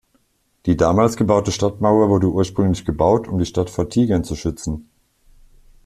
Die damals gebaute Stadtmauer wurde ursprünglich gebaut, um die Stadt vor Tigern zu schützen.